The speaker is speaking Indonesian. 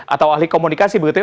atau ahli komunikasi begitu ya